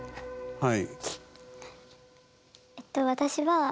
はい。